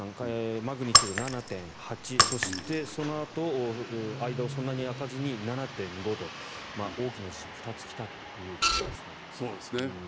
マグニチュード７．８そして、そのあと間がそんなに空かずに７．５と、大きな地震が２つ来たということですね。